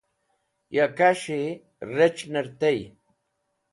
ya kas̃hi rec̃h'ner tey